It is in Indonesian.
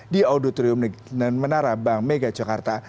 di auditorium menara bank mega jakarta